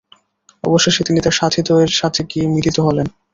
অবশেষে তিনি তার সাথীদ্বয়ের সাথে গিয়ে মিলিত হলেন।